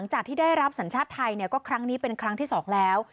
การรับสัญชาติไทยเนี่ยก็ครั้งนี้เป็นครั้งที่๒แล้ว